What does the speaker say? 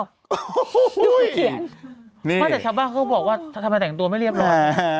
นี่รึเปล่าเมื่อแต่ชาวตัวเราก็บอกว่าท่านมาแต่งตัวไม่เรียบร้อย